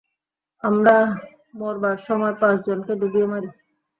আমরা মরবার সময় পাঁচজনকে ডুবিয়ে মারি।